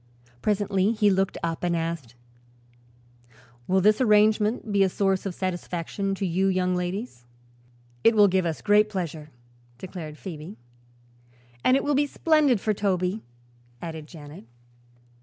Presently he looked up and asked: "Will this arrangement be a source of satisfaction to you young ladies?" "It will give us great pleasure," declared Phoebe. "And it will be splendid for Toby," added Janet.